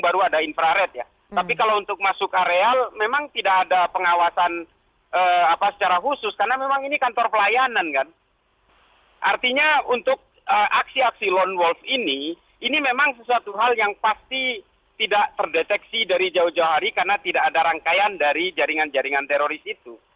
artinya untuk aksi aksi lone wolf ini ini memang sesuatu hal yang pasti tidak terdeteksi dari jauh jauh hari karena tidak ada rangkaian dari jaringan jaringan teroris itu